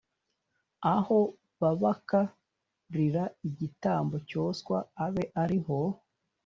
Aho bab k rira igitambo cyoswa abe ari ho